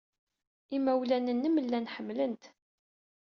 Imawlan-nnem llan ḥemmlen-t.